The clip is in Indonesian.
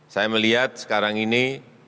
saya melihat sekarang ini